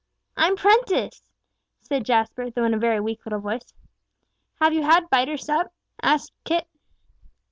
"I'm prenticed!" said Jasper, though in a very weak little voice. "Have you had bite or sup?" asked Kit.